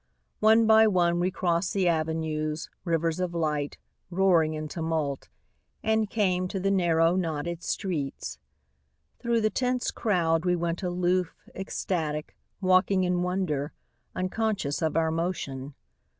One by one we crossed the avenues, Rivers of light, roaring in tumult, And came to the narrow, knotted streets. Thru the tense crowd We went aloof, ecstatic, walking in wonder, Unconscious of our motion.